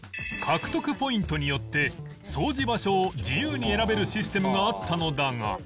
獲得ポイントによって掃除場所を自由に選べるシステムがあったのだが